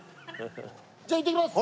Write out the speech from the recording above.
じゃあ行ってきます。